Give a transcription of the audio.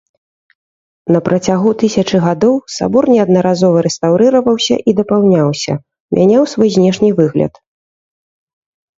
На працягу тысячы гадоў сабор неаднаразова рэстаўрыраваўся і дапаўняўся, мяняў свой знешні выгляд.